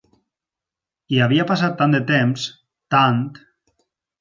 I havia passat tant de temps... tant!